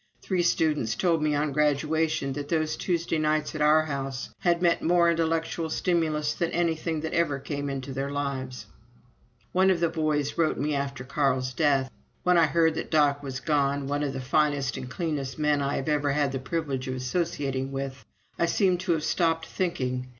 Three students told me on graduation that those Tuesday nights at our house had meant more intellectual stimulus than anything that ever came into their lives. One of these boys wrote to me after Carl's death: "When I heard that Doc had gone, one of the finest and cleanest men I have ever had the privilege of associating with, I seemed to have stopped thinking.